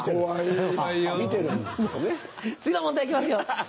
次の問題行きますよ。